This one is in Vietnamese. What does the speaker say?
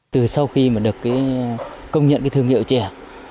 từ sau khi mà được công nhận thương hiệu trẻ